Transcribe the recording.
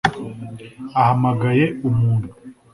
ahamagaye umuntu